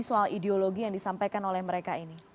soal ideologi yang disampaikan oleh mereka ini